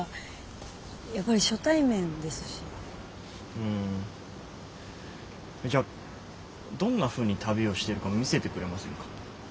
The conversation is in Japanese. うんじゃあどんなふうに旅をしてるか見せてくれませんか？